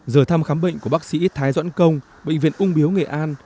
giờ thăm khám bệnh của bác sĩ thái doãn công bệnh viện ung biếu nghệ an